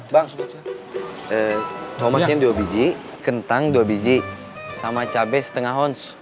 bang tomatnya dua biji kentang dua biji sama cabai setengah honse